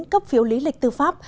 cấp phiếu lý lịch tư pháp